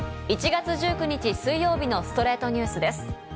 １月１９日、水曜日の『ストレイトニュース』です。